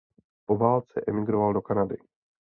Po válce emigroval do Kanady.